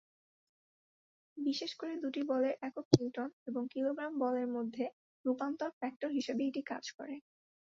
বিশেষ করে দুটি বলের একক নিউটন এবং কিলোগ্রাম-বল এর মধ্যে রূপান্তর ফ্যাক্টর হিসাবে এটি কাজ করে।